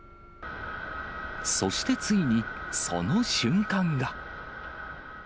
そしてついに、その瞬間が。